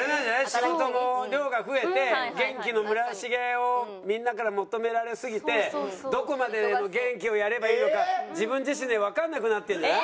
仕事も量が増えて元気の村重をみんなから求められすぎてどこまでの元気をやればいいのか自分自身でわからなくなってるんじゃない？